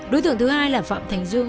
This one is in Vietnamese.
đối tượng thứ hai là phạm thành dương